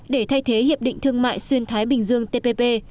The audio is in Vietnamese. để thay thế hiệp định thương mại xuyên thái bình dương tpp